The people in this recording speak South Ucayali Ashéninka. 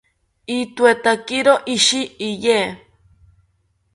itoetakiro ishi iye